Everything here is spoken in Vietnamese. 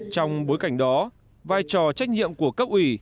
trong bối cảnh đó vai trò trách nhiệm của cấp ủy